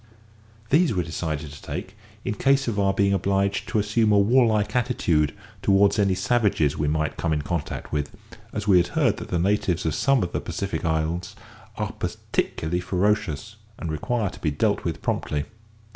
These we decided to take in case of our being obliged to assume a warlike attitude towards any savages we might come in contact with, as we had heard that the natives of some of the Pacific islands are particularly ferocious, and require to be dealt with promptly.